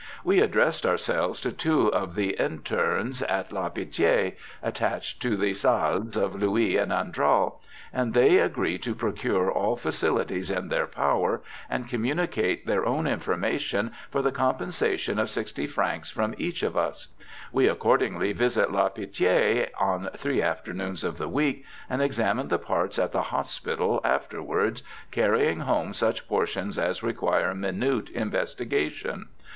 We addressed ourselves to two of the internes at La Pitie attached to the salles of Louis and Andral, and they agree to procure all facilities in their power and communicate their own information for the compensation of 60 francs from each of us ; we accordingly visit La Pitie on three afternoons of the week and examine the parts at the hospital, after wards carrying home such portions as require minute investigation.